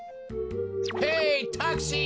ヘイタクシー！